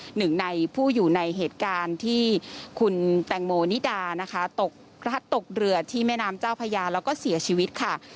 หนึ่งในผู้อยู่ในเหตุการณ์ที่คุณแตงโมนิดานะคะตกเรือที่แม่น้ำเจ้าพญาแล้วก็เสียชีวิตค่ะ